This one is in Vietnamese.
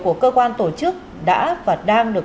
của cơ quan tổ chức đã và đang được